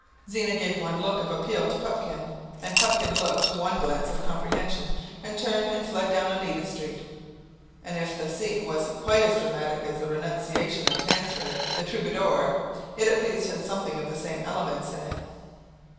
Zena gave one look of appeal to Pupkin, and Pupkin looked one glance of comprehension, and turned and fled down Oneida Street. And if the scene wasn't quite as dramatic as the renunciation of Tancred the Troubadour, it at least had something of the same elements in it.